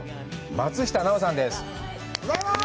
松下奈緒さんです。